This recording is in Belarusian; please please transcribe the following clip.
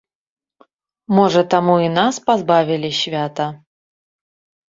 Можа, таму і нас пазбавілі свята?